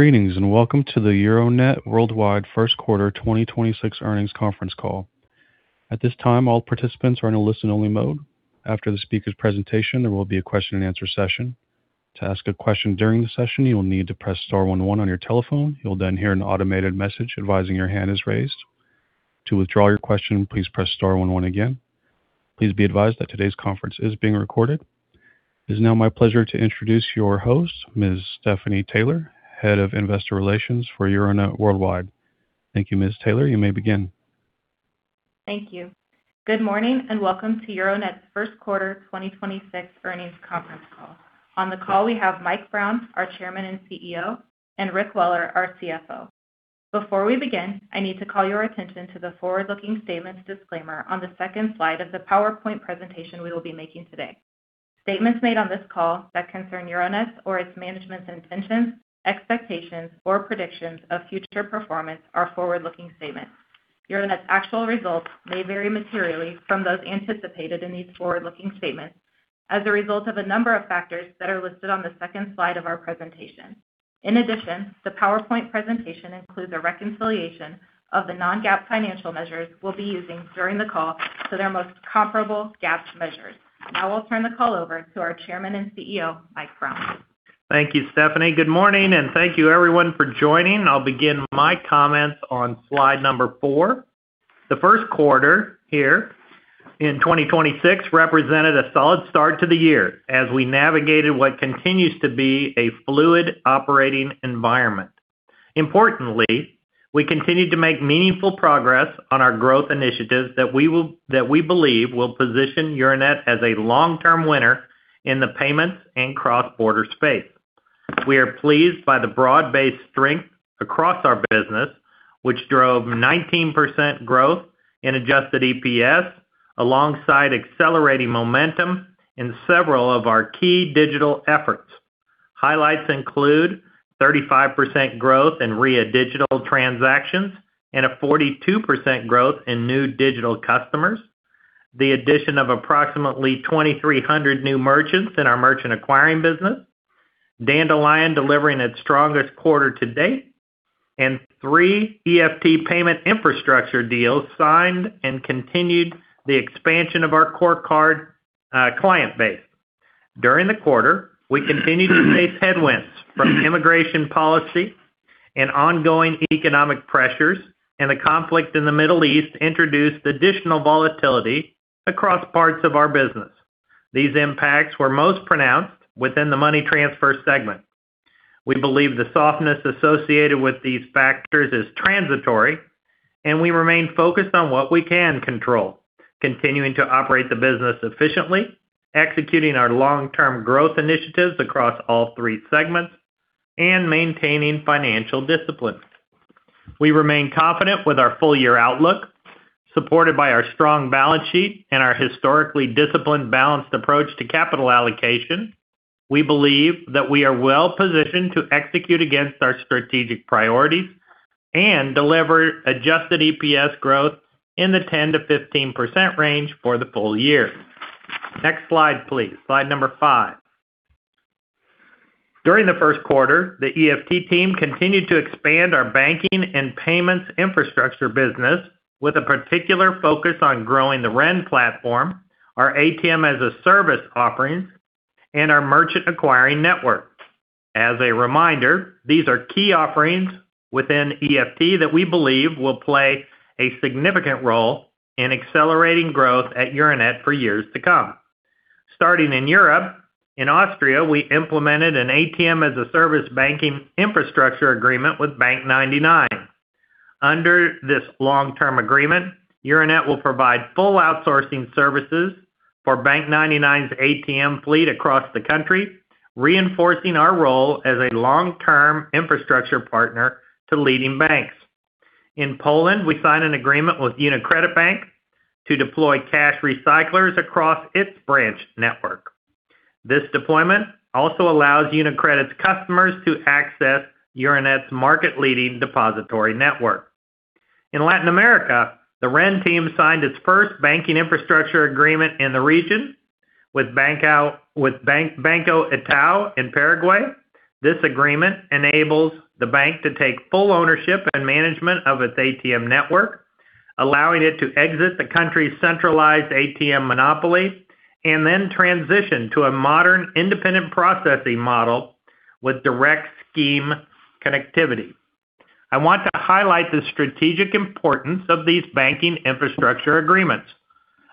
Greetings, welcome to the Euronet Worldwide First Quarter 2026 Earnings Conference Call. At this time, all participants are in a listen-only mode. After the speaker's presentation, there will be a question-and-answer session. To ask a question during the session, you will need to press star one one on your telephone. You'll hear an automated message advising your hand is raised. To withdraw your question, please press star 11 again. Please be advised that today's conference is being recorded. It is now my pleasure to introduce your host, Ms. Stephanie Taylor, Head of Investor Relations for Euronet Worldwide. Thank you. Ms. Taylor, you may begin. Thank you. Good morning, and welcome to Euronet's First Quarter 2026 Earnings Conference Call. On the call, we have Mike Brown, our Chairman and CEO, and Rick Weller, our CFO. Before we begin, I need to call your attention to the forward-looking statements disclaimer on the second slide of the PowerPoint presentation we will be making today. Statements made on this call that concern Euronet's or its management's intentions, expectations, or predictions of future performance are forward-looking statements. Euronet's actual results may vary materially from those anticipated in these forward-looking statements as a result of a number of factors that are listed on the second slide of our presentation. In addition, the PowerPoint presentation includes a reconciliation of the non-GAAP financial measures we'll be using during the call to their most comparable GAAP measures. I will turn the call over to our Chairman and CEO, Mike Brown. Thank you, Stephanie. Good morning, and thank you, everyone, for joining. I'll begin my comments on slide number four. The first quarter here in 2026 represented a solid start to the year as we navigated what continues to be a fluid operating environment. Importantly, we continued to make meaningful progress on our growth initiatives that we believe will position Euronet as a long-term winner in the payments and cross-border space. We are pleased by the broad-based strength across our business, which drove 19% growth in adjusted EPS alongside accelerating momentum in several of our key digital efforts. Highlights include 35% growth in Ria digital transactions and a 42% growth in new digital customers, the addition of approximately 2,300 new merchants in our merchant acquiring business, Dandelion delivering its strongest quarter-to-date, and three EFT payment infrastructure deals signed and continued the expansion of our CoreCard client base. During the quarter, we continued to face headwinds from immigration policy and ongoing economic pressures. The conflict in the Middle East introduced additional volatility across parts of our business. These impacts were most pronounced within the money transfer segment. We believe the softness associated with these factors is transitory, and we remain focused on what we can control, continuing to operate the business efficiently, executing our long-term growth initiatives across all three segments, and maintaining financial discipline. We remain confident with our full-year outlook, supported by our strong balance sheet and our historically disciplined, balanced approach to capital allocation. We believe that we are well-positioned to execute against our strategic priorities and deliver adjusted EPS growth in the 10%-15% range for the full-year. Next slide, please. Slide number five. During the first quarter, the EFT team continued to expand our banking and payments infrastructure business with a particular focus on growing the Ren platform, our ATM-as-a-service offerings, and our merchant acquiring networks. As a reminder, these are key offerings within EFT that we believe will play a significant role in accelerating growth at Euronet for years to come. Starting in Europe, in Austria, we implemented an ATM-as-a-service banking infrastructure agreement with bank99. Under this long-term agreement, Euronet will provide full outsourcing services for bank99's ATM fleet across the country, reinforcing our role as a long-term infrastructure partner to leading banks. In Poland, we signed an agreement with UniCredit Bank to deploy cash recyclers across its branch network. This deployment also allows UniCredit's customers to access Euronet's market-leading depository network. In Latin America, the Ren team signed its first banking infrastructure agreement in the region with Banco Itaú in Paraguay. This agreement enables the bank to take full ownership and management of its ATM network, allowing it to exit the country's centralized ATM monopoly and then transition to a modern independent processing model with direct scheme connectivity. I want to highlight the strategic importance of these banking infrastructure agreements.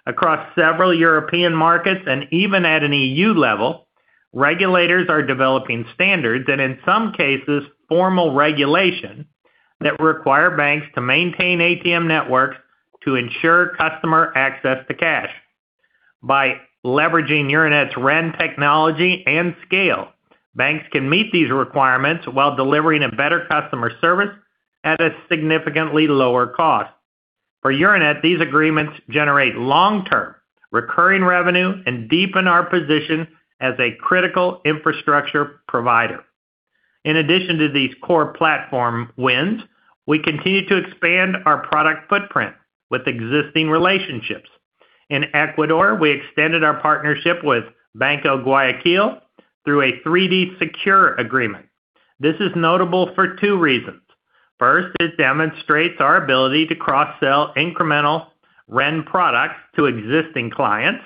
Across several European markets and even at an EU level, regulators are developing standards and, in some cases, formal regulation that require banks to maintain ATM networks to ensure customer access to cash. By leveraging Euronet's Ren technology and scale, banks can meet these requirements while delivering a better customer service at a significantly lower cost. For Euronet, these agreements generate long-term recurring revenue and deepen our position as a critical infrastructure provider. In addition to these core platform wins, we continue to expand our product footprint with existing relationships. In Ecuador, we extended our partnership with Banco Guayaquil through a 3D Secure agreement. This is notable for two reasons. First, it demonstrates our ability to cross-sell incremental Ren products to existing clients.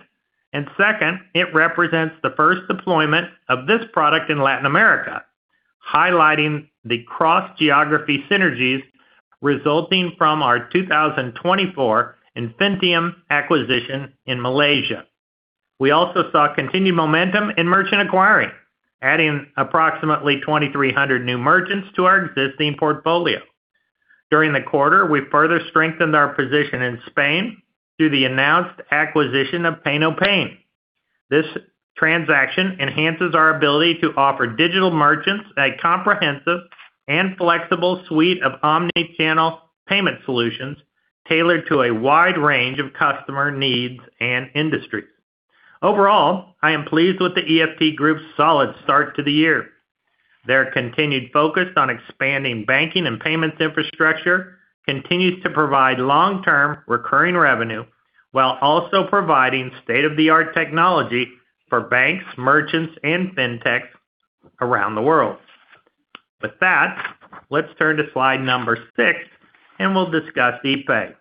Second, it represents the first deployment of this product in Latin America, highlighting the cross-geography synergies resulting from our 2024 Infinitium acquisition in Malaysia. We also saw continued momentum in merchant acquiring, adding approximately 2,300 new merchants to our existing portfolio. During the quarter, we further strengthened our position in Spain through the announced acquisition of PaynoPain. This transaction enhances our ability to offer digital merchants a comprehensive and flexible suite of omni-channel payment solutions tailored to a wide range of customer needs and industries. Overall, I am pleased with the EFT group's solid start to the year. Their continued focus on expanding banking and payments infrastructure continues to provide long-term recurring revenue while also providing state-of-the-art technology for banks, merchants, and fintech around the world. With that, let's turn to slide number six and we'll discuss Epay.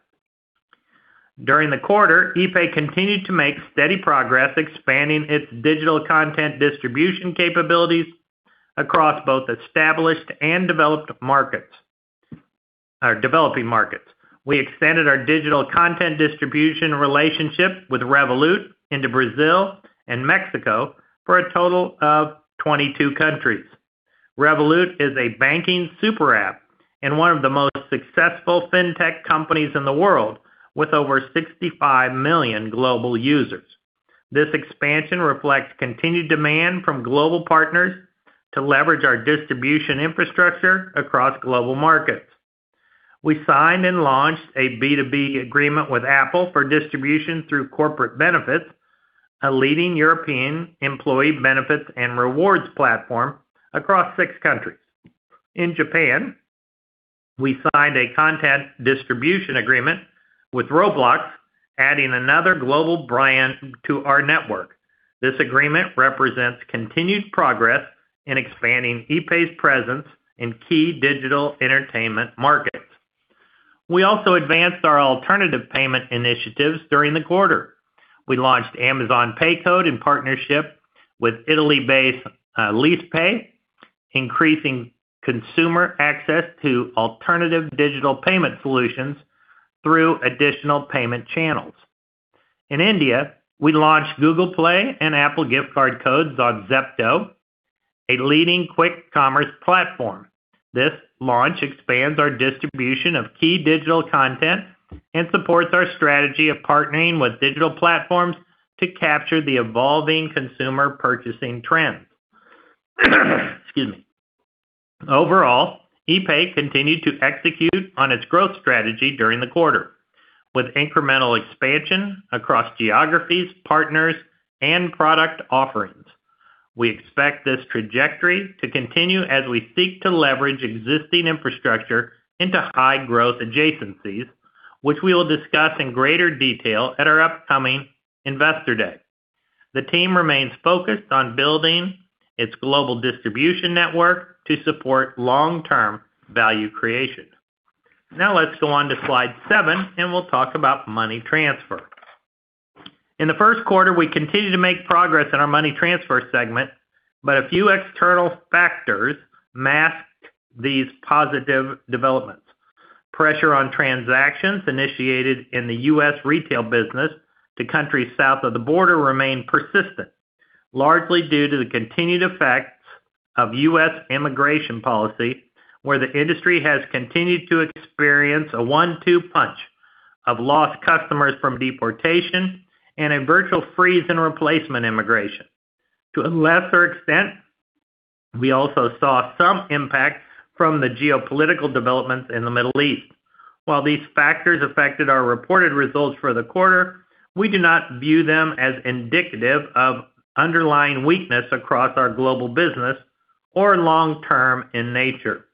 During the quarter, Epay continued to make steady progress expanding its digital content distribution capabilities across both established and developing markets. We extended our digital content distribution relationship with Revolut into Brazil and Mexico for a total of 22 countries. Revolut is a banking super app and one of the most successful fintech companies in the world with over 65 million global users. This expansion reflects continued demand from global partners to leverage our distribution infrastructure across global markets. We signed and launched a B2B agreement with Apple for distribution through corporate benefits, a leading European employee benefits and rewards platform across six countries. In Japan, we signed a content distribution agreement with Roblox, adding another global brand to our network. This agreement represents continued progress in expanding Epay's presence in key digital entertainment markets. We also advanced our alternative payment initiatives during the quarter. We launched Amazon PayCode in partnership with Italy-based LIS PAY, increasing consumer access to alternative digital payment solutions through additional payment channels. In India, we launched Google Play and Apple Gift Card codes on Zepto, a leading quick commerce platform. This launch expands our distribution of key digital content and supports our strategy of partnering with digital platforms to capture the evolving consumer purchasing trends. Excuse me. Overall, Epay continued to execute on its growth strategy during the quarter with incremental expansion across geographies, partners, and product offerings. We expect this trajectory to continue as we seek to leverage existing infrastructure into high-growth adjacencies, which we will discuss in greater detail at our upcoming Investor Day. The team remains focused on building its global distribution network to support long-term value creation. Now let's go on to slide seven and we'll talk about money transfer. In the first quarter, we continued to make progress in our money transfer segment, but a few external factors masked these positive developments. Pressure on transactions initiated in the U.S. retail business to countries south of the border remained persistent, largely due to the continued effects of U.S. immigration policy, where the industry has continued to experience a one-two punch of lost customers from deportation and a virtual freeze in replacement immigration. To a lesser extent, we also saw some impact from the geopolitical developments in the Middle East. While these factors affected our reported results for the quarter, we do not view them as indicative of underlying weakness across our global business or long-term in nature.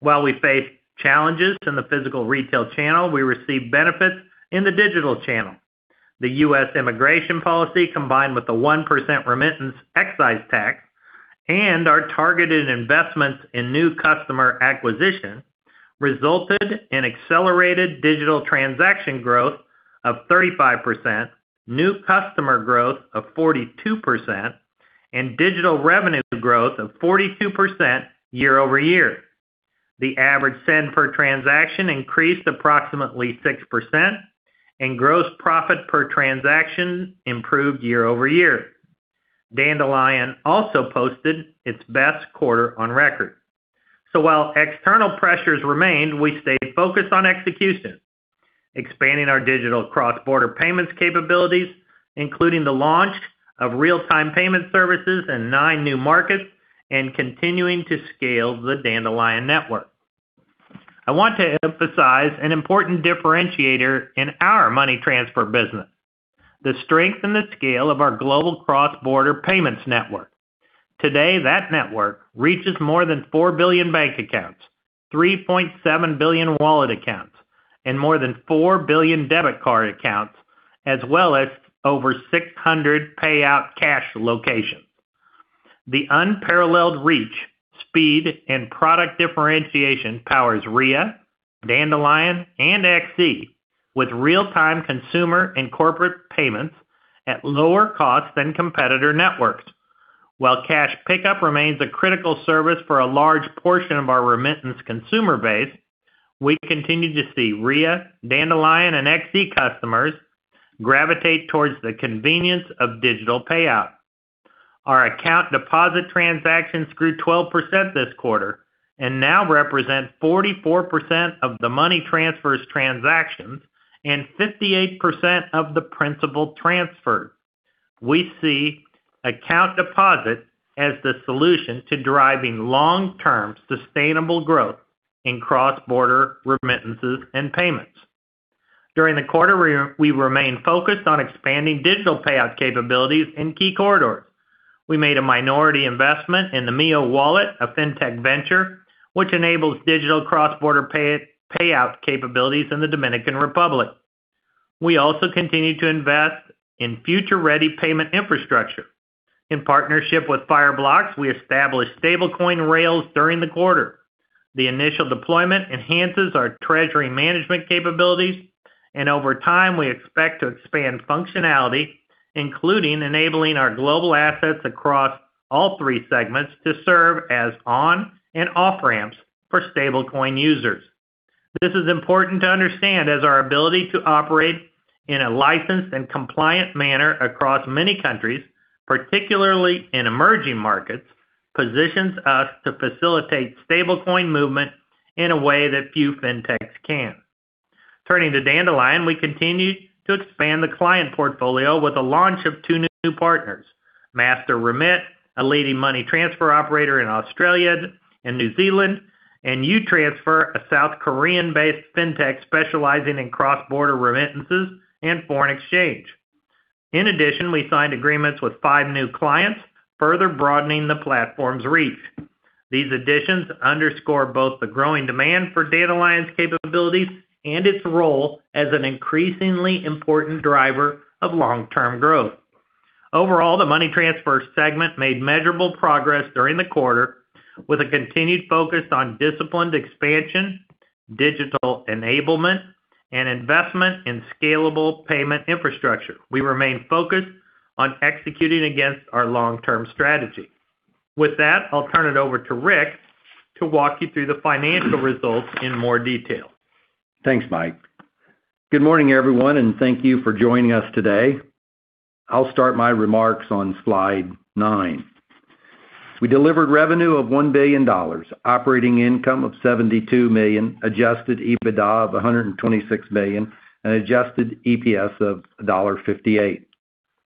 While we face challenges in the physical retail channel, we receive benefits in the digital channel. The U.S. immigration policy, combined with the 1% remittance excise tax and our targeted investments in new customer acquisition, resulted in accelerated digital transaction growth of 35%, new customer growth of 42%, and digital revenue growth of 42% year-over-year. The average send per transaction increased approximately 6% and gross profit per transaction improved year-over-year. Dandelion also posted its best quarter on record. While external pressures remained, we stayed focused on execution, expanding our digital cross-border payments capabilities, including the launch of real-time payment services in nine new markets and continuing to scale the Dandelion network. I want to emphasize an important differentiator in our money transfer business, the strength and the scale of our global cross-border payments network. Today, that network reaches more than 4 billion bank accounts, 3.7 billion wallet accounts, and more than 4 billion debit card accounts, as well as over 600 payout cash locations. The unparalleled reach, speed, and product differentiation powers Ria, Dandelion, and XE with real-time consumer and corporate payments at lower costs than competitor networks. While cash pickup remains a critical service for a large portion of our remittance consumer base, we continue to see Ria, Dandelion, and XE customers gravitate towards the convenience of digital payout. Our account deposit transactions grew 12% this quarter and now represent 44% of the money transfers transactions and 58% of the principal transfers. We see account deposits as the solution to driving long-term sustainable growth in cross-border remittances and payments. During the quarter, we remained focused on expanding digital payout capabilities in key corridors. We made a minority investment in the Mio Wallet, a fintech venture, which enables digital cross-border payout capabilities in the Dominican Republic. We also continue to invest in future-ready payment infrastructure. In partnership with Fireblocks, we established stablecoin rails during the quarter. The initial deployment enhances our treasury management capabilities, and over time, we expect to expand functionality, including enabling our global assets across all three segments to serve as on and off-ramps for stablecoin users. This is important to understand as our ability to operate in a licensed and compliant manner across many countries, particularly in emerging markets, positions us to facilitate stablecoin movement in a way that few fintechs can. Turning to Dandelion, we continue to expand the client portfolio with the launch of two new partners, MasterRemit, a leading money transfer operator in Australia and New Zealand, and Utransfer, a South Korean-based fintech specializing in cross-border remittances and foreign exchange. We signed agreements with five new clients, further broadening the platform's reach. These additions underscore both the growing demand for Dandelion's capabilities and its role as an increasingly important driver of long-term growth. The money transfer segment made measurable progress during the quarter with a continued focus on disciplined expansion, digital enablement, and investment in scalable payment infrastructure. We remain focused on executing against our long-term strategy. With that, I'll turn it over to Rick to walk you through the financial results in more detail. Thanks, Mike. Good morning, everyone, and thank you for joining us today. I'll start my remarks on slide nine. We delivered revenue of $1 billion, operating income of $72 million, adjusted EBITDA of $126 million, and adjusted EPS of $1.58.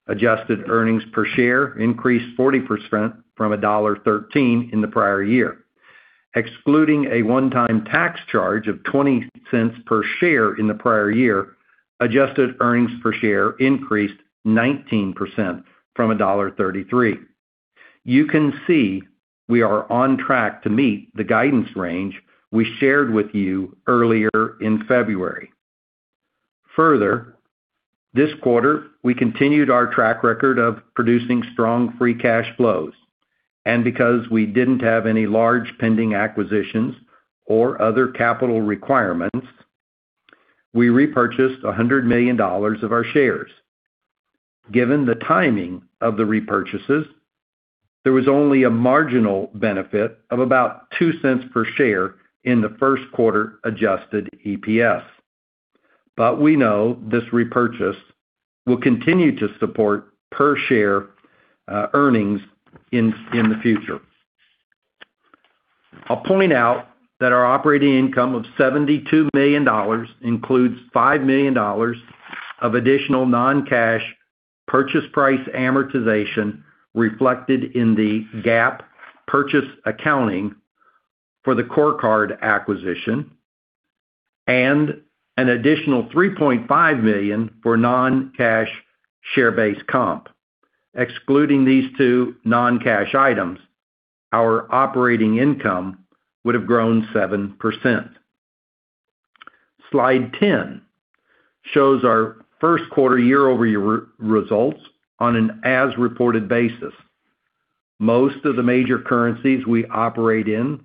Adjusted earnings per share increased 40% from $1.13 in the prior year. Excluding a one-time tax charge of $0.20 per share in the prior year, adjusted earnings per share increased 19% from $1.33. You can see we are on track to meet the guidance range we shared with you earlier in February. Further, this quarter, we continued our track record of producing strong free cash flows. Because we didn't have any large pending acquisitions or other capital requirements, we repurchased $100 million of our shares. Given the timing of the repurchases, there was only a marginal benefit of about $0.02 per share in the first quarter adjusted EPS. We know this repurchase will continue to support per share earnings in the future. I'll point out that our operating income of $72 million includes $5 million of additional non-cash purchase price amortization reflected in the GAAP purchase accounting for the CoreCard acquisition and an additional $3.5 million for non-cash share-based comp. Excluding these two non-cash items, our operating income would have grown 7%. Slide 10 shows our first quarter year-over-year results on an as-reported basis. Most of the major currencies we operate in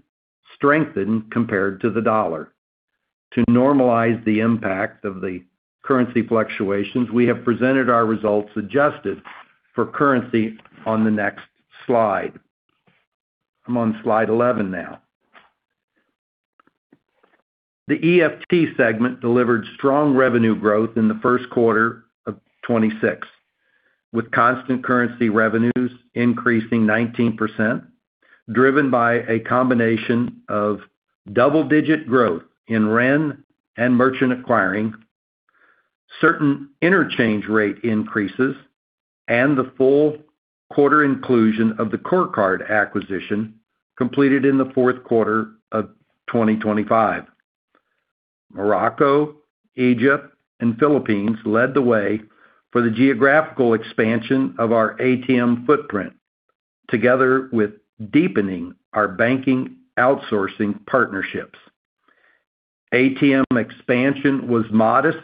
strengthened compared to the dollar. To normalize the impact of the currency fluctuations, we have presented our results adjusted for currency on the next slide. I'm on Slide 11 now. The EFT segment delivered strong revenue growth in the first quarter of 2026, with constant currency revenues increasing 19%, driven by a combination of double-digit growth in Ren and merchant acquiring, certain interchange rate increases, and the full quarter inclusion of the CoreCard acquisition completed in the fourth quarter of 2025. Morocco, Egypt, and Philippines led the way for the geographical expansion of our ATM footprint, together with deepening our banking outsourcing partnerships. ATM expansion was modest,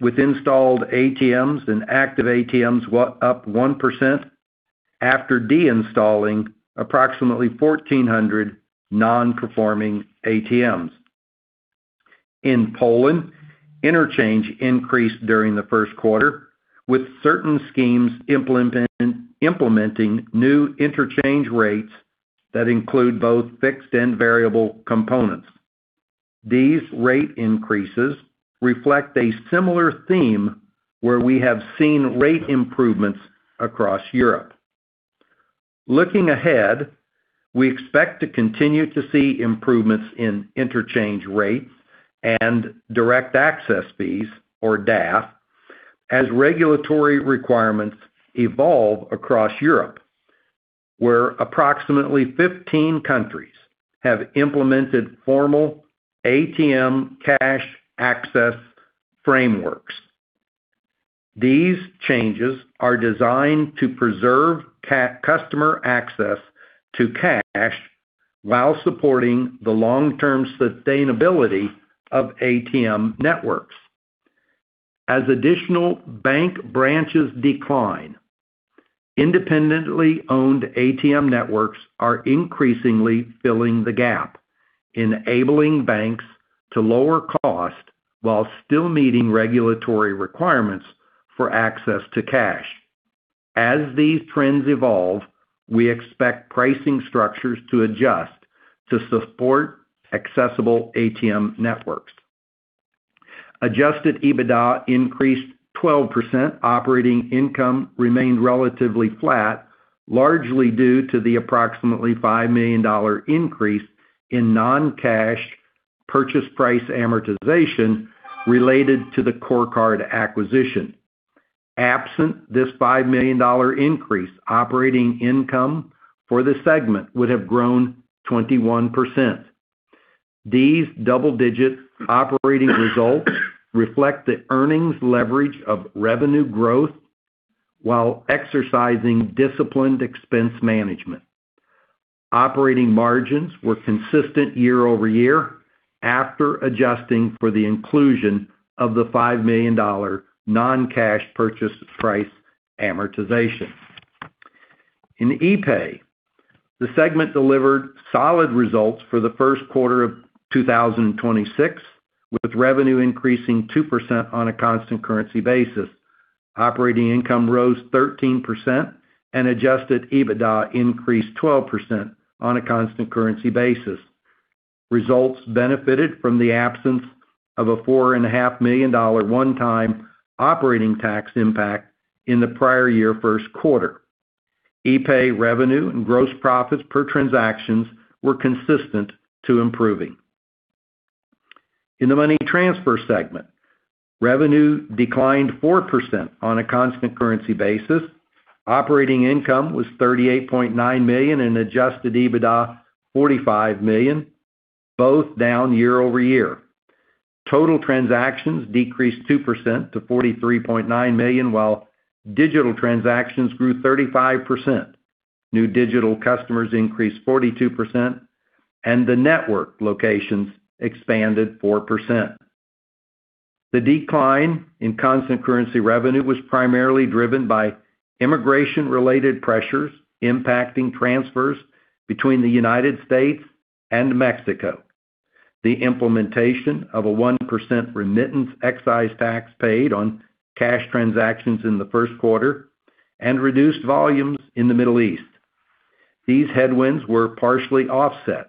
with installed ATMs and active ATMs up 1% after de-installing approximately 1,400 non-performing ATMs. In Poland, interchange increased during the first quarter, with certain schemes implementing new interchange rates that include both fixed and variable components. These rate increases reflect a similar theme where we have seen rate improvements across Europe. Looking ahead, we expect to continue to see improvements in interchange rates and direct access fees, or DAF, as regulatory requirements evolve across Europe, where approximately 15 countries have implemented formal ATM cash access frameworks. These changes are designed to preserve customer access to cash while supporting the long-term sustainability of ATM networks. As additional bank branches decline, independently owned ATM networks are increasingly filling the gap, enabling banks to lower cost while still meeting regulatory requirements for access to cash. As these trends evolve, we expect pricing structures to adjust to support accessible ATM networks. Adjusted EBITDA increased 12%. Operating income remained relatively flat, largely due to the approximately five-million-dollar increase in non-cash purchase price amortization related to the CoreCard acquisition. Absent this five-million-dollar increase, operating income for the segment would have grown 21%. These double-digit operating results reflect the earnings leverage of revenue growth while exercising disciplined expense management. Operating margins were consistent year-over-year after adjusting for the inclusion of the five-million-dollar non-cash purchase price amortization. In Epay, the segment delivered solid results for the first quarter of 2026, with revenue increasing 2% on a constant currency basis. Operating income rose 13%, and adjusted EBITDA increased 12% on a constant currency basis. Results benefited from the absence of a four and a half million-dollar one-time operating tax impact in the prior year first quarter. Epay revenue and gross profits per transactions were consistent to improving. In the money transfer segment, revenue declined 4% on a constant currency basis. Operating income was $38.9 million and adjusted EBITDA $45 million, both down year-over-year. Total transactions decreased 2% to 43.9 million, while digital transactions grew 35%. New digital customers increased 42%, and the network locations expanded 4%. The decline in constant currency revenue was primarily driven by immigration-related pressures impacting transfers between the U.S. and Mexico, the implementation of a 1% remittance excise tax paid on cash transactions in the first quarter, and reduced volumes in the Middle East. These headwinds were partially offset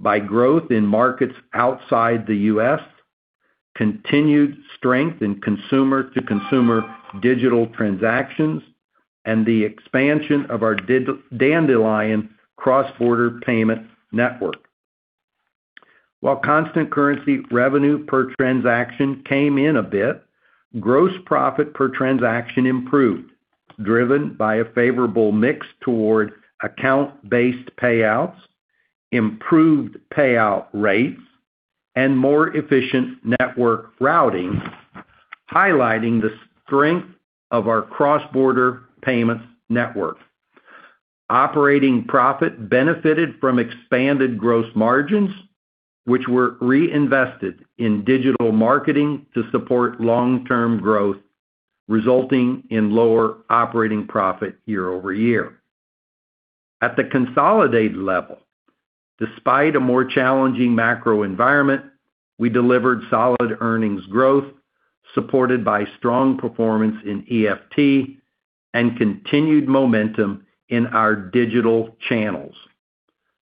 by growth in markets outside the U.S., continued strength in consumer-to-consumer digital transactions, and the expansion of our Dandelion cross-border payment network. While constant currency revenue per transaction came in a bit, gross profit per transaction improved, driven by a favorable mix toward account-based payouts, improved payout rates, and more efficient network routing, highlighting the strength of our cross-border payments network. Operating profit benefited from expanded gross margins, which were reinvested in digital marketing to support long-term growth, resulting in lower operating profit year-over-year. At the consolidated level, despite a more challenging macro environment, we delivered solid earnings growth, supported by strong performance in EFT and continued momentum in our digital channels.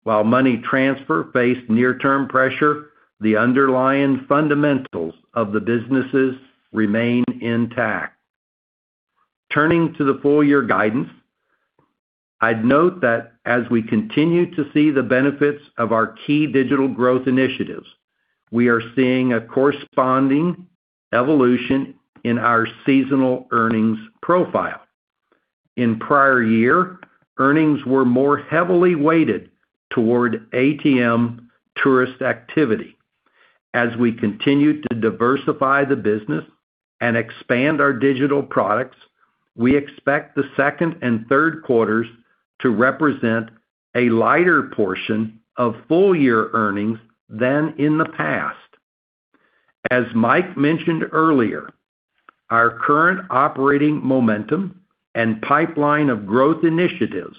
While money transfer faced near-term pressure, the underlying fundamentals of the businesses remain intact. Turning to the full-year guidance, I'd note that as we continue to see the benefits of our key digital growth initiatives, we are seeing a corresponding evolution in our seasonal earnings profile. In prior year, earnings were more heavily weighted toward ATM tourist activity. As we continue to diversify the business and expand our digital products, we expect the second and third quarters to represent a lighter portion of full-year earnings than in the past. As Mike mentioned earlier, our current operating momentum and pipeline of growth initiatives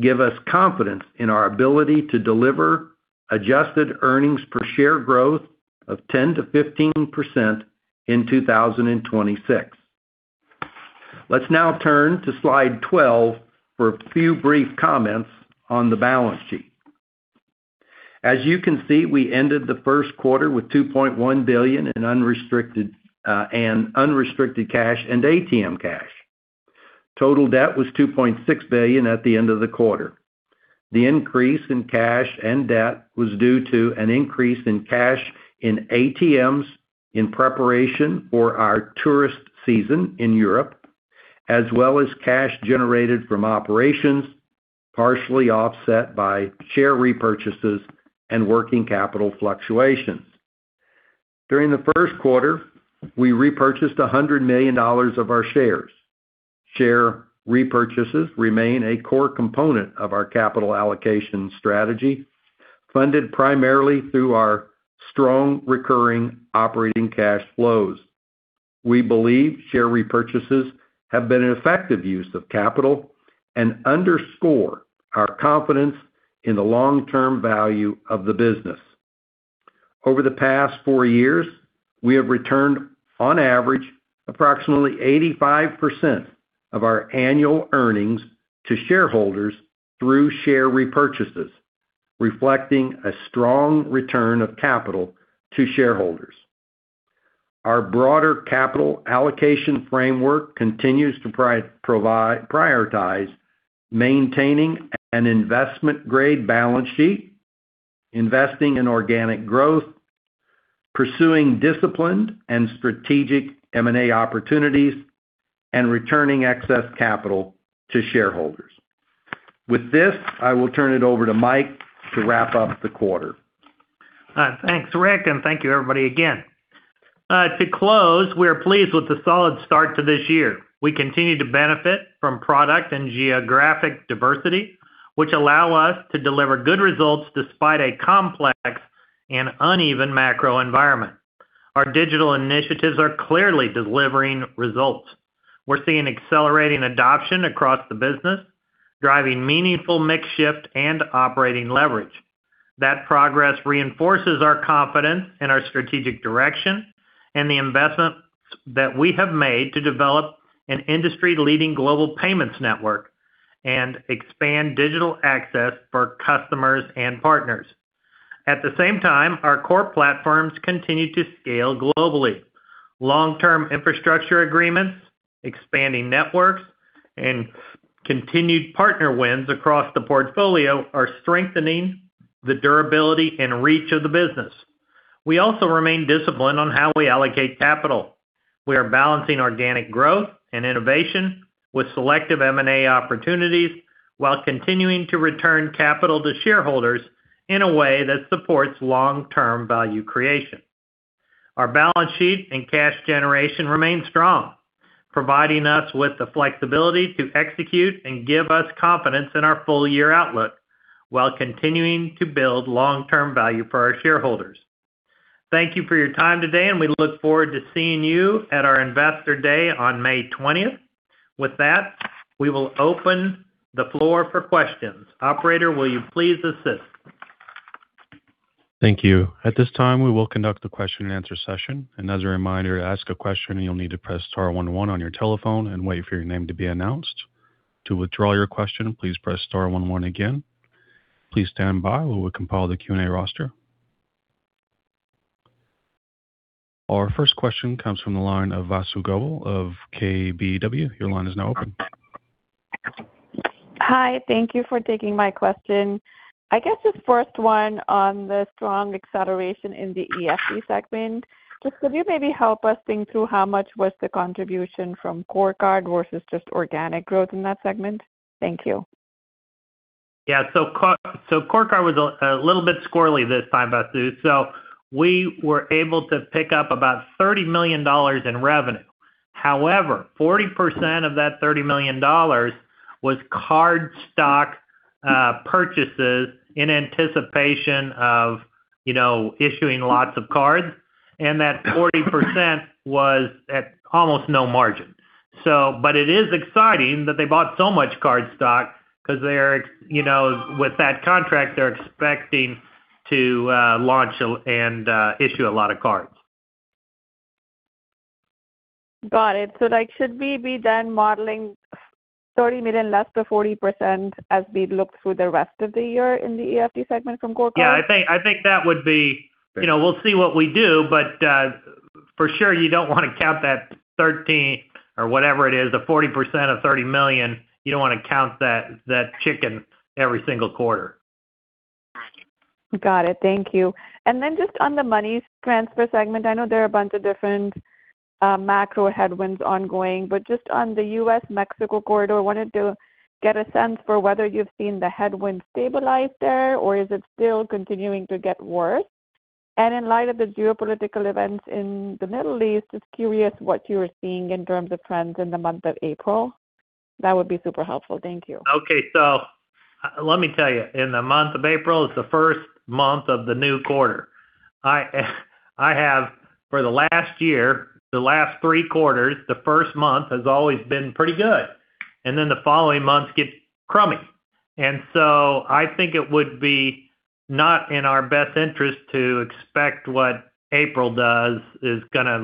give us confidence in our ability to deliver adjusted earnings per share growth of 10%-15% in 2026. Let's now turn to slide 12 for a few brief comments on the balance sheet. As you can see, we ended the first quarter with $2.1 billion in unrestricted and unrestricted cash and ATM cash. Total debt was $2.6 billion at the end of the quarter. The increase in cash and debt was due to an increase in cash in ATMs in preparation for our tourist season in Europe, as well as cash generated from operations, partially offset by share repurchases and working capital fluctuations. During the first quarter, we repurchased $100 million of our shares. Share repurchases remain a core component of our capital allocation strategy, funded primarily through our strong recurring operating cash flows. We believe share repurchases have been an effective use of capital and underscore our confidence in the long-term value of the business. Over the past four years, we have returned on average approximately 85% of our annual earnings to shareholders through share repurchases, reflecting a strong return of capital to shareholders. Our broader capital allocation framework continues to prioritize maintaining an investment-grade balance sheet, investing in organic growth, pursuing disciplined and strategic M&A opportunities, and returning excess capital to shareholders. With this, I will turn it over to Mike to wrap up the quarter. Thanks, Rick, and thank you everybody again. To close, we are pleased with the solid start to this year. We continue to benefit from product and geographic diversity, which allow us to deliver good results despite a complex and uneven macro environment. Our digital initiatives are clearly delivering results. We're seeing accelerating adoption across the business, driving meaningful mix shift and operating leverage. That progress reinforces our confidence in our strategic direction and the investments that we have made to develop an industry-leading global payments network and expand digital access for customers and partners. At the same time, our core platforms continue to scale globally. Long-term infrastructure agreements, expanding networks, and continued partner wins across the portfolio are strengthening the durability and reach of the business. We also remain disciplined on how we allocate capital. We are balancing organic growth and innovation with selective M&A opportunities while continuing to return capital to shareholders in a way that supports long-term value creation. Our balance sheet and cash generation remain strong, providing us with the flexibility to execute and give us confidence in our full-year outlook while continuing to build long-term value for our shareholders. Thank you for your time today, and we look forward to seeing you at our Investor Day on May 20th. With that, we will open the floor for questions. Operator, will you please assist? Thank you. At this time, we will conduct the question and answer session. Another reminder, to ask a question, you'll need to press star one one on your telephone and wait for your name to be announced. To withdraw your question, please press star one one again. Please stand by while we compile the Q&A roster. Our first question comes from the line of Vasu Govil of KBW. Your line is now open. Hi. Thank you for taking my question. I guess the first one on the strong acceleration in the EFT segment. Just could you maybe help us think through how much was the contribution from CoreCard versus just organic growth in that segment? Thank you. Yeah. CoreCard was a little bit squirrely this time, Vasu. We were able to pick up about $30 million in revenue. However, 40% of that $30 million was card stock purchases in anticipation of, you know, issuing lots of cards, and that 40% was at almost no margin. But it is exciting that they bought so much card stock because they're, you know, with that contract, they're expecting to launch and issue a lot of cards. Got it. Should we be then modeling $30 million less to 40% as we look through the rest of the year in the EFT segment from CoreCard? You know, we'll see what we do, but for sure you don't want to count that 13 or whatever it is, the 40% of $30 million, you don't want to count that chicken every single quarter. Got it. Thank you. Just on the money transfer segment, I know there are a bunch of different macro headwinds ongoing, just on the U.S.-Mexico corridor, wanted to get a sense for whether you've seen the headwinds stabilize there, or is it still continuing to get worse? In light of the geopolitical events in the Middle East, just curious what you're seeing in terms of trends in the month of April. That would be super helpful. Thank you. Let me tell you, in the month of April, it's the first month of the new quarter. I have for the last year, the last three quarters, the first month has always been pretty good, the following months get crummy. I think it would be not in our best interest to expect what April does is gonna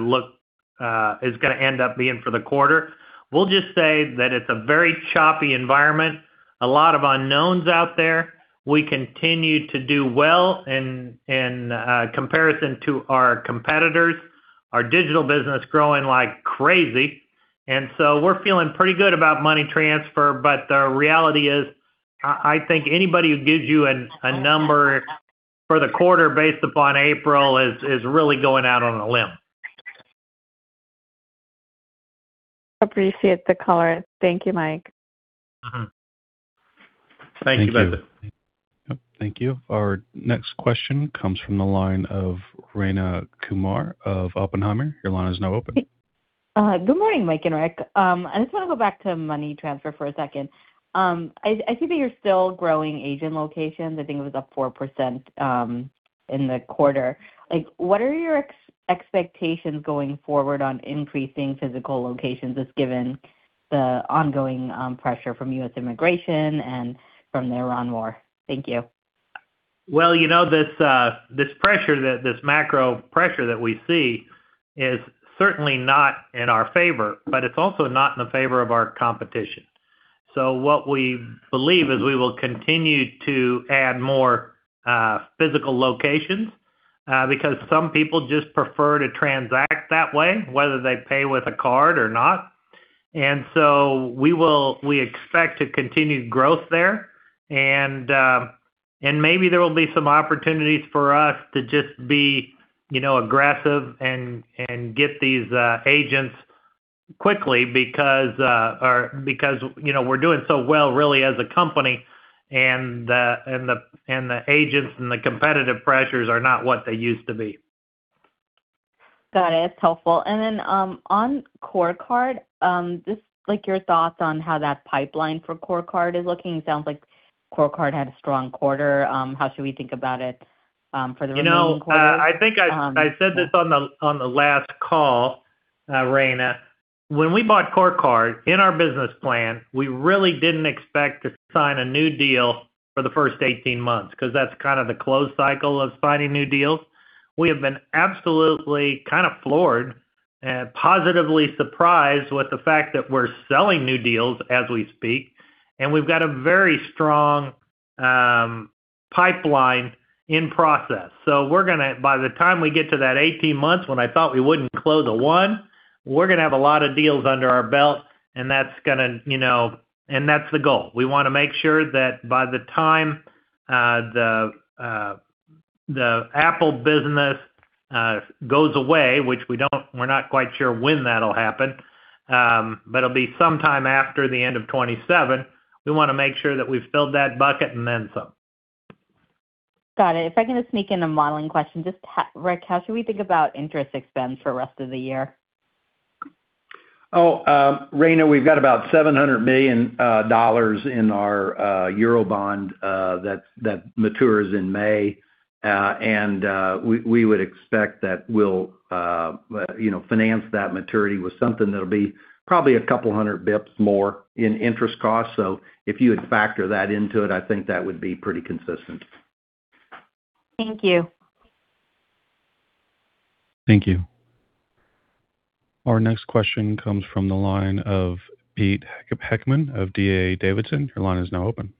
end up being for the quarter. We'll just say that it's a very choppy environment. A lot of unknowns out there. We continue to do well in comparison to our competitors. Our digital business growing like crazy, we're feeling pretty good about money transfer. The reality is, I think anybody who gives you a number for the quarter based upon April is really going out on a limb. Appreciate the color. Thank you, Mike. Mm-hmm. Thank you. Yep. Thank you. Our next question comes from the line of Rayna Kumar of Oppenheimer. Your line is now open. Good morning, Mike and Rick. I just want to go back to money transfer for a second. I see that you're still growing agent locations. I think it was up 4% in the quarter. Like, what are your expectations going forward on increasing physical locations, just given the ongoing pressure from U.S. immigration and from the Iran war? Thank you. Well, you know, this macro pressure that we see is certainly not in our favor, but it's also not in the favor of our competition. What we believe is we will continue to add more physical locations because some people just prefer to transact that way, whether they pay with a card or not. We expect to continue growth there. Maybe there will be some opportunities for us to just be, you know, aggressive and get these agents quickly because, you know, we're doing so well really as a company and the agents and the competitive pressures are not what they used to be. Got it. It's helpful. Then, just like your thoughts on how that pipeline for CoreCard is looking. It sounds like CoreCard had a strong quarter. How should we think about it for the remaining quarter? You know, I think I said this on the last call, Rayna. When we bought CoreCard, in our business plan, we really didn't expect to sign a new deal for the first 18 months, 'cause that's kind of the close cycle of signing new deals. We have been absolutely kind of floored and positively surprised with the fact that we're selling new deals as we speak, and we've got a very strong pipeline in process. We're gonna, by the time we get to that 18 months when I thought we wouldn't close a one, we're gonna have a lot of deals under our belt. That's the goal. We wanna make sure that by the time the Apple business goes away, which we don't, we're not quite sure when that'll happen, but it'll be sometime after the end of 2027. We wanna make sure that we've filled that bucket and then some. Got it. If I can just sneak in a modeling question. Just Rick, how should we think about interest expense for rest of the year? Rayna, we've got about $700 million in our Euro bond that matures in May. We would expect that we'll, you know, finance that maturity with something that'll be probably 200 basis points more in interest costs. If you would factor that into it, I think that would be pretty consistent. Thank you. Thank you. Our next question comes from the line of Pete Heckmann of D.A. Davidson. Your line is now open.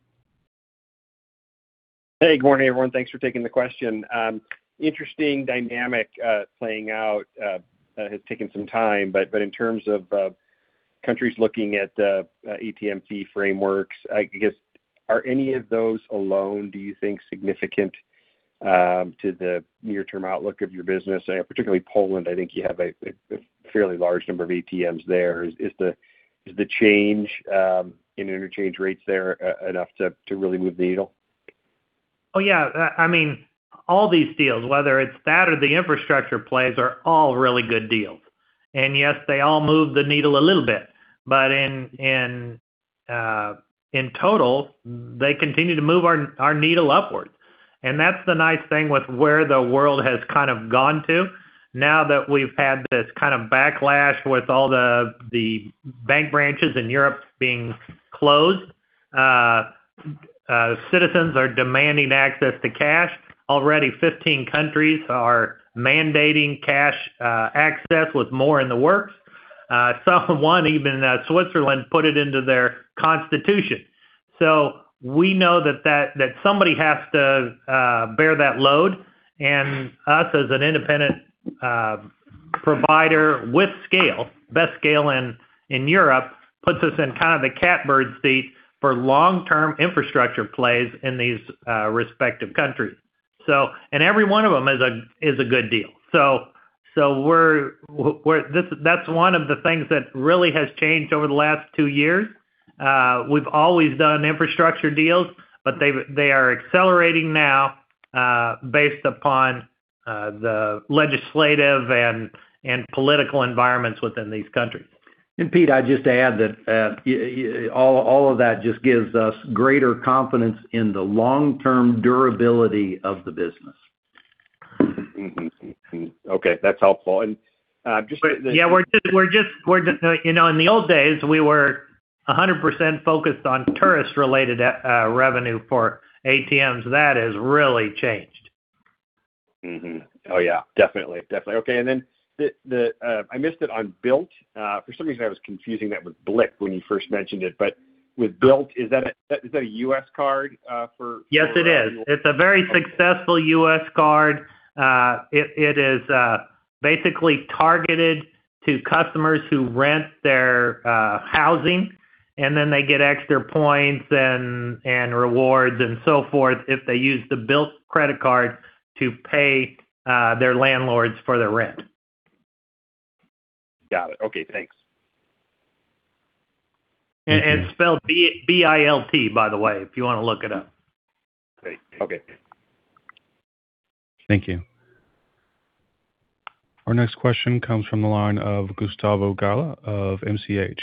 Hey, good morning, everyone. Thanks for taking the question. Interesting dynamic playing out, has taken some time, but in terms of countries looking at ATM frameworks, I guess, are any of those alone, do you think, significant to the near-term outlook of your business? Particularly Poland, I think you have a fairly large number of ATMs there. Is the change in interchange rates there enough to really move the needle? Oh, yeah. I mean, all these deals, whether it's that or the infrastructure plays, are all really good deals. Yes, they all move the needle a little bit. In, in total, they continue to move our needle upwards. That's the nice thing with where the world has kind of gone to. Now that we've had this kind of backlash with all the bank branches in Europe being closed, citizens are demanding access to cash. Already 15 countries are mandating cash access with more in the works. Some one, even, Switzerland put it into their constitution. We know that, that somebody has to bear that load. Us, as an independent provider with scale, best scale in Europe, puts us in kind of the catbird seat for long-term infrastructure plays in these respective countries. Every one of them is a good deal. That's one of the things that really has changed over the last two years. We've always done infrastructure deals, but they are accelerating now, based upon the legislative and political environments within these countries. Pete, I'd just add that all of that just gives us greater confidence in the long-term durability of the business. Okay, that's helpful. Yeah, we're just, you know, in the old days, we were 100% focused on tourist-related revenue for ATMs. That has really changed. Oh, yeah. Definitely. Definitely. Okay. Then the I missed it on Bilt. For some reason I was confusing that with Bilt when you first mentioned it. With Bilt, is that a U.S. card? Yes, it is. It's a very successful U.S. card. It is basically targeted to customers who rent their housing, and then they get extra points and rewards and so forth if they use the Bilt credit card to pay their landlords for their rent. Got it. Okay, thanks. Spelled B-i-l-t, by the way, if you wanna look it up. Great. Okay. Thank you. Our next question comes from the line of Gustavo Galá of MCH.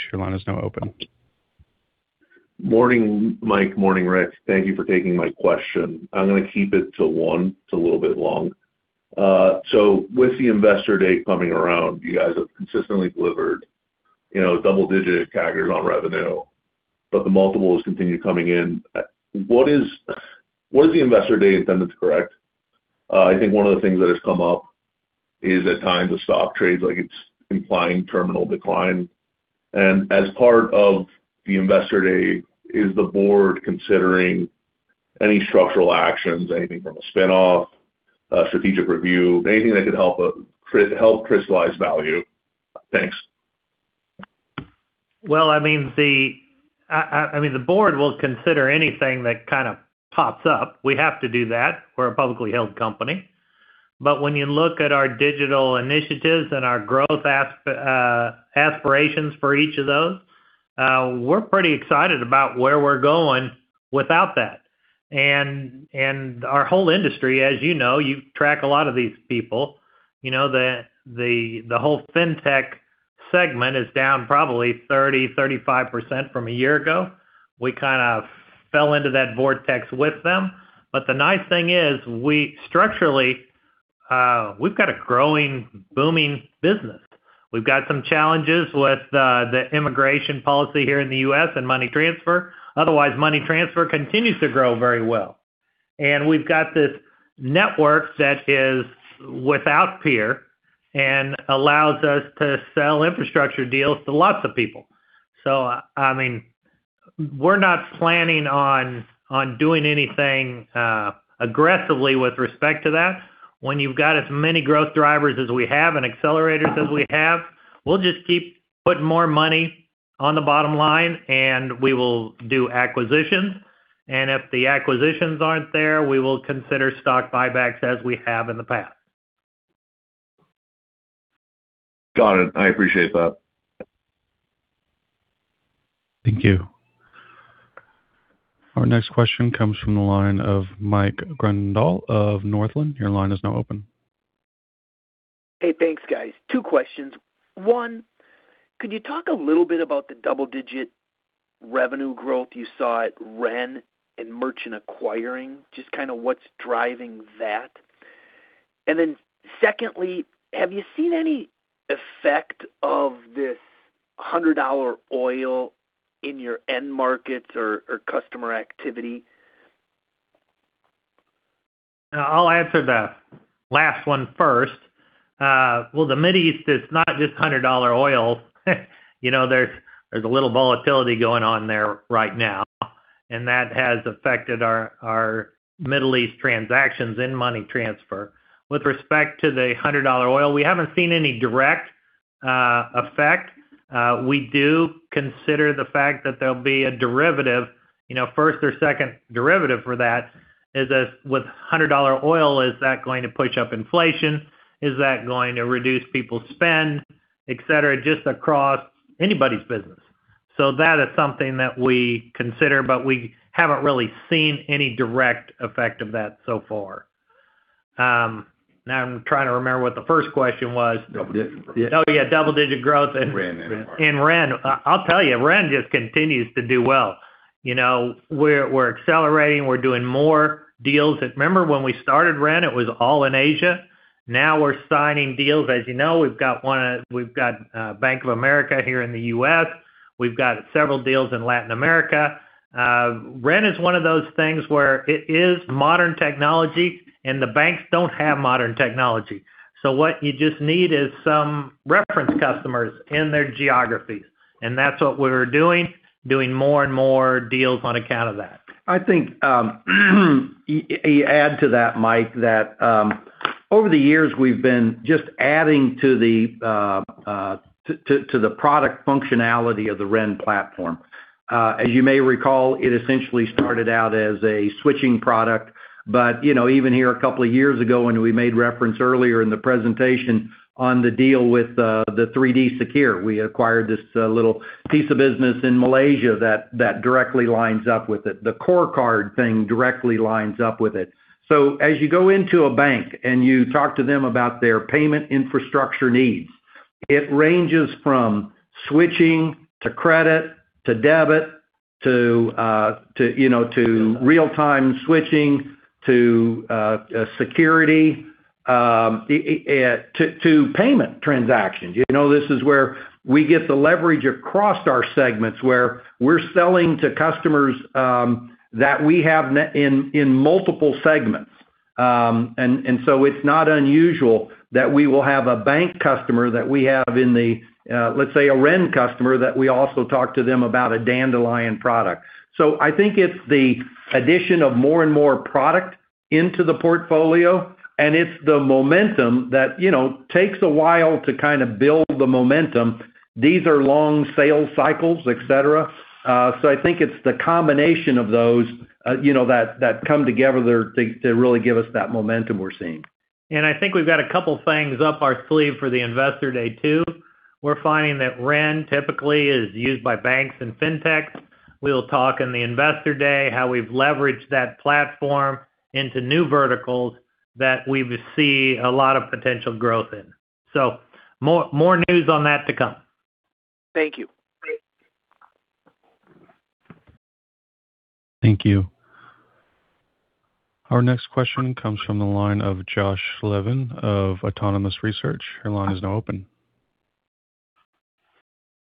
Morning, Mike. Morning, Rick. Thank you for taking my question. I'm gonna keep it to one. It's a little bit long. With the Investor Day coming around, you guys have consistently delivered, you know, double-digit CAGRs on revenue, but the multiples continue coming in. What is the Investor Day attendance correct? I think one of the things that has come up is at times the stock trades like it's implying terminal decline. As part of the Investor Day, is the board considering any structural actions, anything from a spinoff, a strategic review, anything that could help crystallize value? Thanks. Well, I mean, the board will consider anything that kind of pops up. We have to do that. We're a publicly held company. When you look at our digital initiatives and our growth aspirations for each of those, we're pretty excited about where we're going without that. Our whole industry, as you know, you track a lot of these people. You know, the whole fintech segment is down probably 30%-35% from a year ago. We kind of fell into that vortex with them. The nice thing is we structurally, we've got a growing, booming business. We've got some challenges with the immigration policy here in the U.S. and money transfer. Otherwise, money transfer continues to grow very well. We've got this network that is without peer and allows us to sell infrastructure deals to lots of people. I mean, we're not planning on doing anything aggressively with respect to that. When you've got as many growth drivers as we have and accelerators as we have, we'll just keep putting more money on the bottom line, and we will do acquisitions. If the acquisitions aren't there, we will consider stock buybacks as we have in the past. Got it. I appreciate that. Thank you. Our next question comes from the line of Mike Grondahl of Northland. Your line is now open. Hey, thanks, guys. Two questions. One, could you talk a little bit about the double-digit revenue growth you saw at Ren and Merchant Acquiring? Just kind of what's driving that. Secondly, have you seen any effect of this a hundred-dollar oil in your end markets or customer activity? I'll answer the last one first. Well, the Middle East is not just hundred-dollar oil. You know, there's a little volatility going on there right now, and that has affected our Middle East transactions in money transfer. With respect to the hundred-dollar oil, we haven't seen any direct effect. We do consider the fact that there'll be a derivative, you know, first or second derivative for that. With hundred-dollar oil, is that going to push up inflation? Is that going to reduce people's spend, et cetera, just across anybody's business. That is something that we consider, but we haven't really seen any direct effect of that so far. Now I'm trying to remember what the first question was. Double-digit growth. Oh, yeah, double-digit growth. In Ren and Acquiring. In Ren. I'll tell you, Ren just continues to do well. You know, we're accelerating. We're doing more deals. Remember when we started Ren, it was all in Asia. We're signing deals. As you know, we've got Bank of America here in the U.S. We've got several deals in Latin America. Ren is one of those things where it is modern technology, and the banks don't have modern technology. What you just need is some reference customers in their geographies, and that's what we're doing more and more deals on account of that. I think, add to that, Mike, that over the years, we've been just adding to the product functionality of the Ren platform. As you may recall, it essentially started out as a switching product. You know, even here a couple of years ago when we made reference earlier in the presentation on the deal with the 3D Secure, we acquired this little piece of business in Malaysia that directly lines up with it. The CoreCard thing directly lines up with it. As you go into a bank and you talk to them about their payment infrastructure needs, it ranges from switching to credit to debit to, you know, to real-time switching to security to payment transactions. You know, this is where we get the leverage across our segments, where we're selling to customers, that we have in multiple segments. It's not unusual that we will have a bank customer that we have in the, let's say a Ren customer that we also talk to them about a Dandelion product. I think it's the addition of more and more product into the portfolio, and it's the momentum that, you know, takes a while to kind of build the momentum. These are long sales cycles, et cetera. I think it's the combination of those, you know, that come together to really give us that momentum we're seeing. I think we've got a couple things up our sleeve for the Investor Day too. We're finding that Ren typically is used by banks and fintech. We'll talk in the Investor Day how we've leveraged that platform into new verticals that we see a lot of potential growth in. More news on that to come. Thank you. Thank you. Our next question comes from the line of Josh Levin of Autonomous Research. Your line is now open.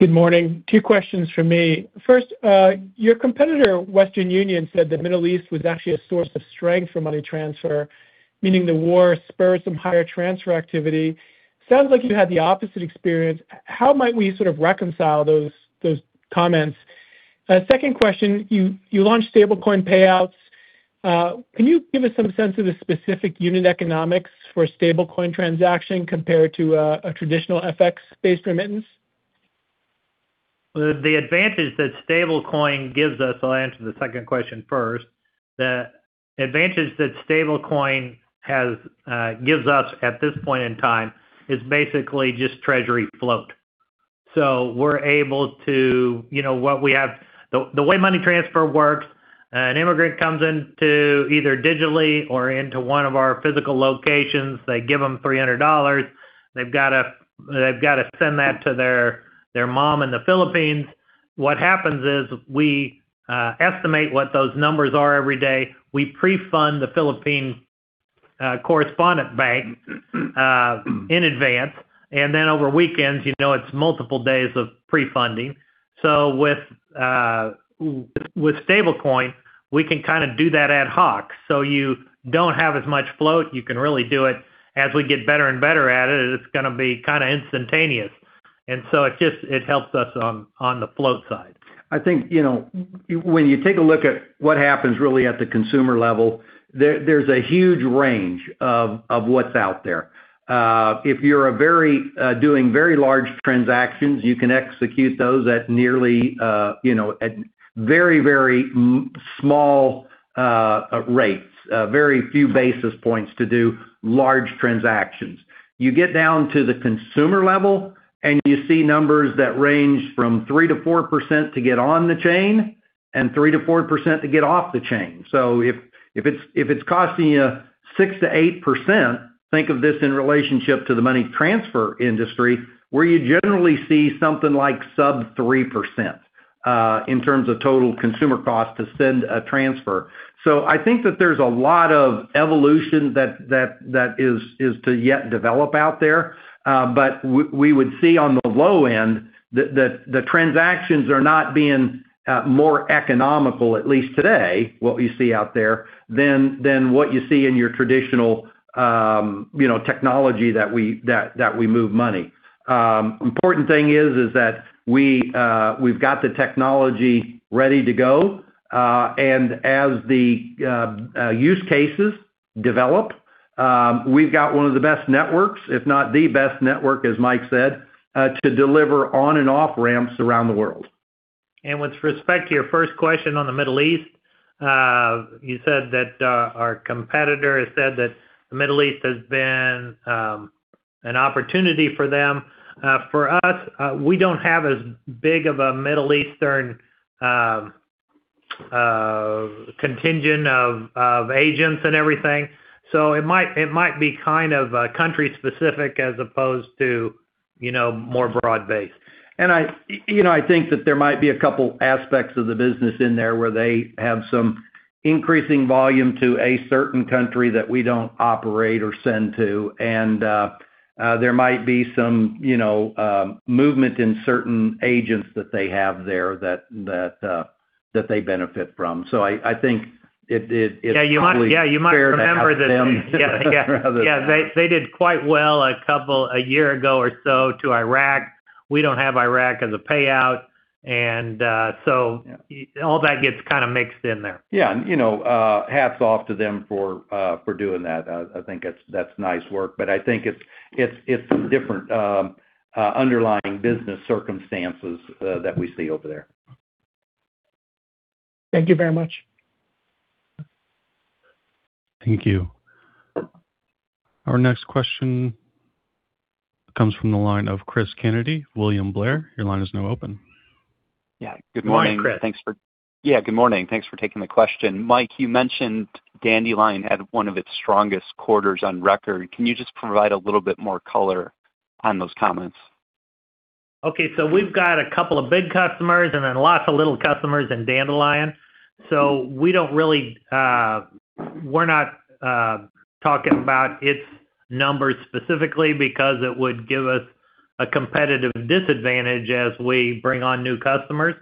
Good morning. Two questions from me. First, your competitor, Western Union, said the Middle East was actually a source of strength for money transfer, meaning the war spurred some higher transfer activity. Sounds like you had the opposite experience. How might we sort of reconcile those comments? Second question, you launched stablecoin payouts. Can you give us some sense of the specific unit economics for a stablecoin transaction compared to a traditional FX-based remittance? The advantage that stablecoin gives us, I'll answer the second question first. The advantage that stablecoin has, gives us at this point in time is basically just treasury float. We're able to, you know, the way money transfer works, an immigrant comes into either digitally or into one of our physical locations. They give them $300. They've gotta send that to their mom in the Philippines. What happens is we estimate what those numbers are every day. We pre-fund the Philippine correspondent bank in advance, and then over weekends, you know, it's multiple days of pre-funding. With stablecoin, we can kinda do that ad hoc. You don't have as much float. You can really do it. As we get better and better at it's gonna be kinda instantaneous. It just, it helps us on the float side. I think, you know, when you take a look at what happens really at the consumer level, there's a huge range of what's out there. If you're a very, doing very large transactions, you can execute those at nearly, you know, at very, very small rates, very few basis points to do large transactions. You get down to the consumer level, you see numbers that range from 3%-4% to get on the chain and 3%-4% to get off the chain. If, if it's, if it's costing you 6%-8%, think of this in relationship to the money transfer industry, where you generally see something like sub 3% in terms of total consumer cost to send a transfer. I think that there's a lot of evolution that is to yet develop out there. We would see on the low end that the transactions are not being more economical, at least today, what we see out there, than what you see in your traditional, you know, technology that we move money. Important thing is that we've got the technology ready to go. As the use cases develop, we've got one of the best networks, if not the best network, as Mike said, to deliver on and off ramps around the world. With respect to your first question on the Middle East, you said that our competitor has said that the Middle East has been an opportunity for them. For us, we don't have as big of a Middle Eastern contingent of agents and everything. It might be kind of country-specific as opposed to, you know, more broad-based. I, you know, I think that there might be a couple aspects of the business in there where they have some increasing volume to a certain country that we don't operate or send to. There might be some, you know, movement in certain agents that they have there that they benefit from. I think it's probably. Yeah, you might, yeah, you might remember that. Fair to have them rather than. Yeah, they did quite well a couple, a year ago or so to Iraq. We don't have Iraq as a payout. Yeah... all that gets kinda mixed in there. Yeah, you know, hats off to them for doing that. I think that's nice work. I think it's different underlying business circumstances that we see over there. Thank you very much. Thank you. Our next question comes from the line of Cris Kennedy, William Blair. Your line is now open. Yeah. Good morning. Morning, Cris. Yeah, good morning. Thanks for taking the question. Mike, you mentioned Dandelion had one of its strongest quarters on record. Can you just provide a little bit more color on those comments? Okay. We've got a couple of big customers and then lots of little customers in Dandelion. We don't really, we're not talking about its numbers specifically because it would give us a competitive disadvantage as we bring on new customers.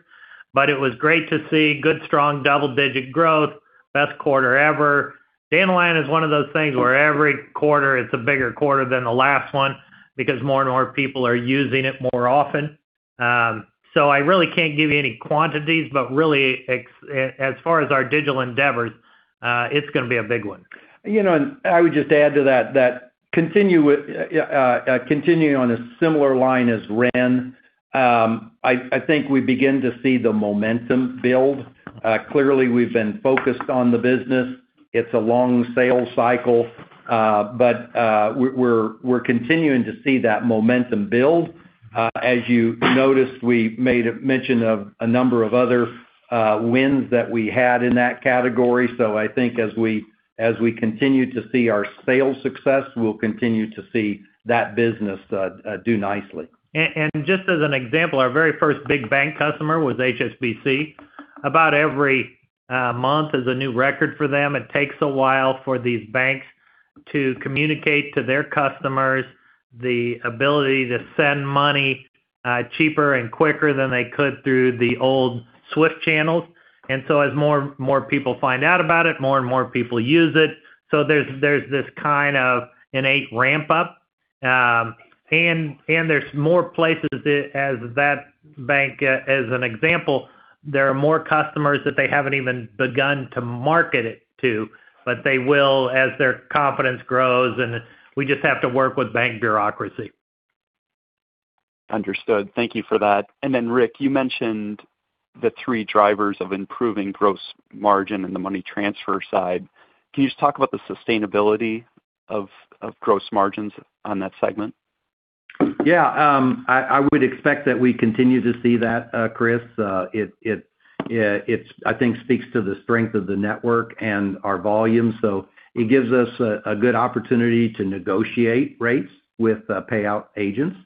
It was great to see good, strong double-digit growth, best quarter ever. Dandelion is one of those things where every quarter it's a bigger quarter than the last one because more and more people are using it more often. I really can't give you any quantities, but really as far as our digital endeavors, it's gonna be a big one. You know, I would just add to that continuing on a similar line as Ren, I think we begin to see the momentum build. Clearly we've been focused on the business. It's a long sales cycle. We're continuing to see that momentum build. As you noticed, we made a mention of a number of other wins that we had in that category. I think as we continue to see our sales success, we'll continue to see that business do nicely. Just as an example, our very first big bank customer was HSBC. About every month is a new record for them. It takes a while for these banks to communicate to their customers the ability to send money, cheaper and quicker than they could through the old SWIFT channels. As more people find out about it, more and more people use it. There's this kind of innate ramp up. There's more places as that bank, as an example, there are more customers that they haven't even begun to market it to, but they will as their confidence grows, and we just have to work with bank bureaucracy. Understood. Thank you for that. Rick, you mentioned the three drivers of improving gross margin in the money transfer side. Can you just talk about the sustainability of gross margins on that segment? Yeah. I would expect that we continue to see that, Cris. It, I think speaks to the strength of the network and our volume. It gives us a good opportunity to negotiate rates with payout agents.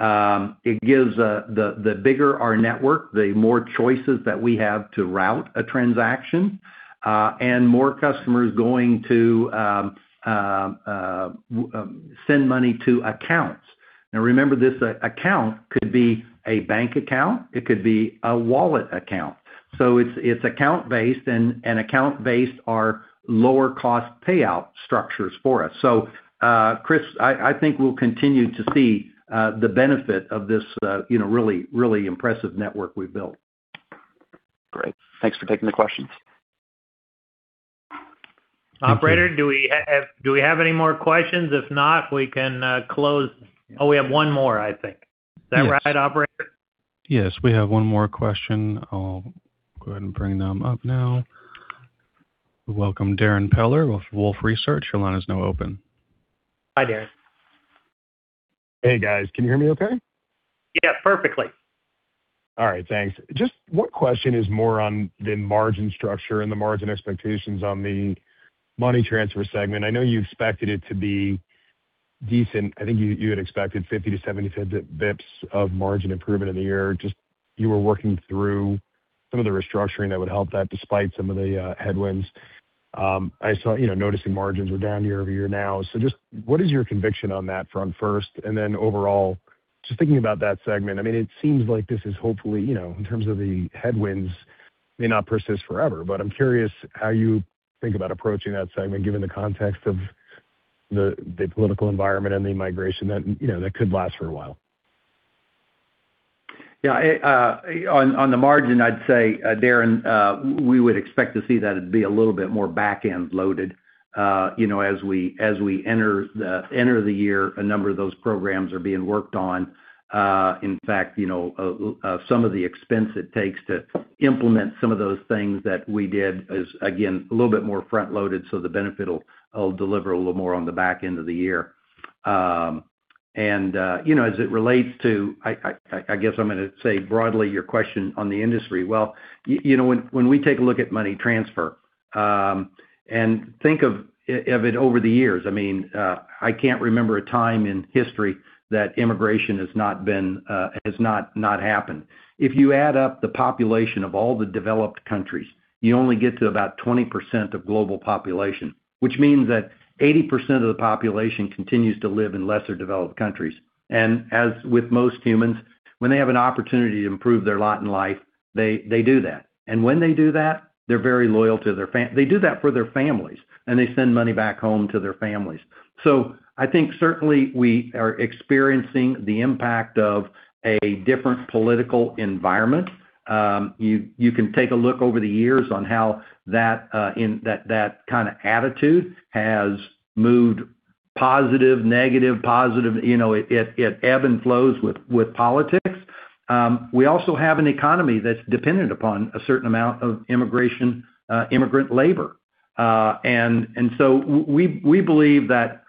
It gives the bigger our network, the more choices that we have to route a transaction, and more customers going to send money to accounts. Now remember, this account could be a bank account, it could be a wallet account. It's account-based, and account-based are lower cost payout structures for us. Cris, I think we'll continue to see the benefit of this, you know, really impressive network we've built. Great. Thanks for taking the questions. Operator, do we have any more questions? If not, we can close. Oh, we have one more, I think. Yes. Is that right, operator? Yes, we have one more question. I'll go ahead and bring them up now. Welcome, Darrin Peller with Wolfe Research. Your line is now open. Hi, Darrin. Hey, guys. Can you hear me okay? Yeah, perfectly. All right. Thanks. Just one question is more on the margin structure and the margin expectations on the money transfer segment. I know you expected it to be decent. I think you had expected 50 basis points-70 basis points of margin improvement in the year. You were working through some of the restructuring that would help that despite some of the headwinds. I saw, you know, noticing margins were down year-over-year now. Just what is your conviction on that front first, and then overall, just thinking about that segment, I mean, it seems like this is hopefully, you know, in terms of the headwinds may not persist forever, but I'm curious how you think about approaching that segment given the context of the political environment and the immigration that, you know, that could last for a while. Yeah, on the margin, I'd say, Darrin, we would expect to see that it'd be a little bit more back-end loaded. You know, as we enter the year, a number of those programs are being worked on. In fact, you know, some of the expense it takes to implement some of those things that we did is again, a little bit more front-loaded, so the benefit will deliver a little more on the back end of the year. You know, as it relates to, I guess I'm gonna say broadly your question on the industry. Well, you know, when we take a look at money transfer and think of it over the years, I mean, I can't remember a time in history that immigration has not been, has not happened. If you add up the population of all the developed countries, you only get to about 20% of global population, which means that 80% of the population continues to live in lesser developed countries. As with most humans, when they have an opportunity to improve their lot in life, they do that. When they do that, they're very loyal to their families, and they send money back home to their families. I think certainly we are experiencing the impact of a different political environment. You can take a look over the years on how that kind of attitude has moved. Positive, negative, positive, you know, it ebbs and flows with politics. We also have an economy that's dependent upon a certain amount of immigration, immigrant labor. We believe that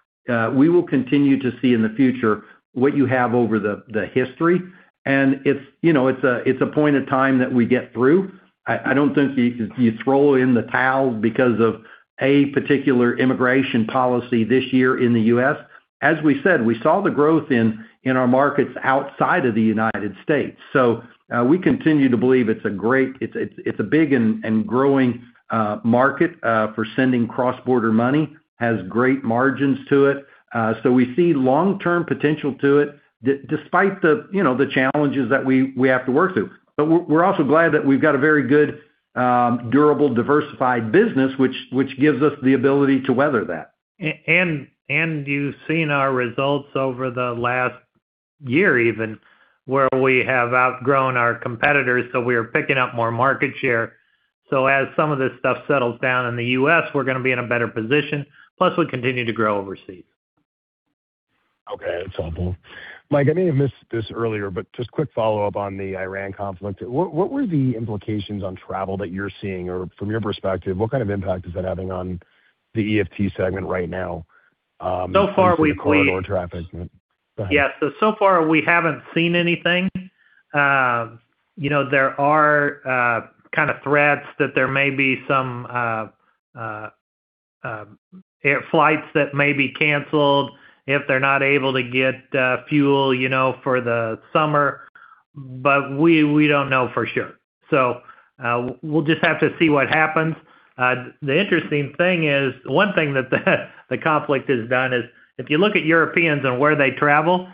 we will continue to see in the future what you have over the history. It's, you know, it's a point of time that we get through. I don't think you throw in the towel because of a particular immigration policy this year in the U.S. As we said, we saw the growth in our markets outside of the United States. We continue to believe it's a big and growing market for sending cross-border money, has great margins to it. We see long-term potential to it despite the, you know, the challenges that we have to work through. We're also glad that we've got a very good, durable, diversified business, which gives us the ability to weather that. You've seen our results over the last year even, where we have outgrown our competitors, so we are picking up more market share. As some of this stuff settles down in the U.S., we're gonna be in a better position, plus we continue to grow overseas. Okay. That's helpful. Mike, I may have missed this earlier, just quick follow-up on the Iran conflict. What were the implications on travel that you're seeing? From your perspective, what kind of impact is that having on the EFT segment right now? So far.... corridor traffic? Go ahead. Yeah. So far we haven't seen anything. You know, there are kind of threats that there may be some air flights that may be canceled if they're not able to get fuel, you know, for the summer, we don't know for sure. We'll just have to see what happens. The interesting thing is, one thing that the conflict has done is if you look at Europeans and where they travel,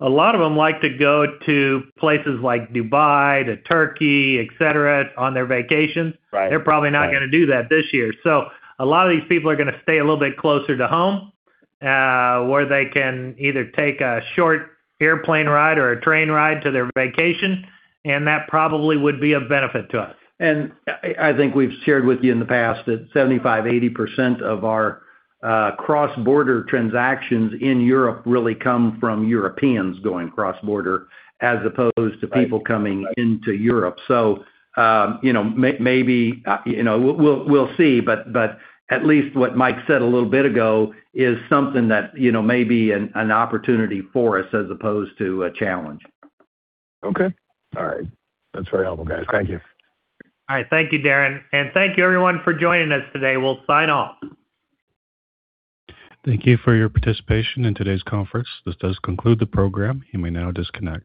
a lot of them like to go to places like Dubai, to Turkey, et cetera, on their vacations. Right. They're probably not gonna do that this year. A lot of these people are gonna stay a little bit closer to home, where they can either take a short airplane ride or a train ride to their vacation, and that probably would be of benefit to us. I think we've shared with you in the past that 75%-80% of our cross-border transactions in Europe really come from Europeans going cross-border as opposed to people coming into Europe. You know, maybe, you know, we'll see. At least what Mike said a little bit ago is something that, you know, may be an opportunity for us as opposed to a challenge. Okay. All right. That's very helpful, guys. Thank you. All right. Thank you, Darrin. Thank you everyone for joining us today. We'll sign off. Thank you for your participation in today's conference. This does conclude the program. You may now disconnect.